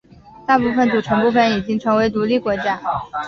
大部分组成部分已经成为独立国家。